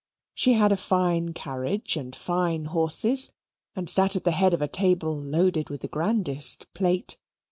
She had a fine carriage and fine horses and sat at the head of a table loaded with the grandest plate.